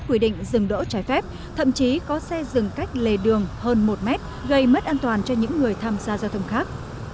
quy định dừng đỗ trái phép thậm chí có xe dừng cách lề đường hơn một mét gây mất an toàn cho những người tham gia giao thông khác